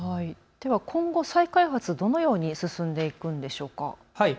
では今後、再開発、どのように進んでいくんでしょうか。